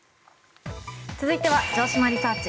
続いては城島リサーチ！